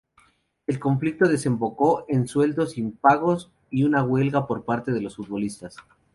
El conflicto desembocó en sueldos impagos y una huelga por parte de los futbolistas.